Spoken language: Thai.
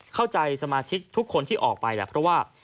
สมาชิกทุกคนที่ออกไปแหละเพราะว่า